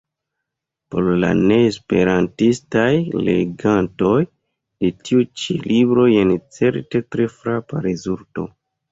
Por la ne-esperantistaj legantoj de tiu ĉi libro jen certe tre frapa rezulto.